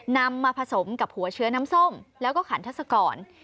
นำมาผสมกับหัวเชื้อน้ำส้มแล้วก็ขันทัศกร